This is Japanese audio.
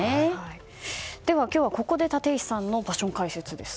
では今日はここで立石さんのパッション解説です。